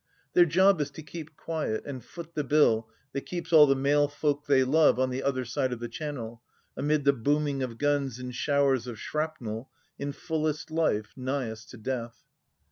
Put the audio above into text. Their job is to keep quiet and foot the bill that keeps all the male folk they love on the other side of the Channel, amid the booming of guns and showers of shrapnel, in fullest life, nighest to death.